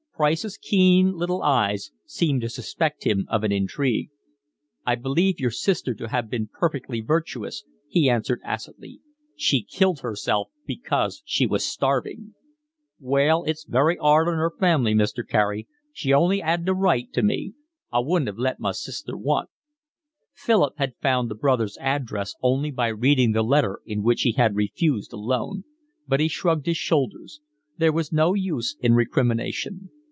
Price's keen little eyes seemed to suspect him of an intrigue. "I believe your sister to have been perfectly virtuous," he answered acidly. "She killed herself because she was starving." "Well, it's very 'ard on her family, Mr. Carey. She only 'ad to write to me. I wouldn't have let my sister want." Philip had found the brother's address only by reading the letter in which he refused a loan; but he shrugged his shoulders: there was no use in recrimination.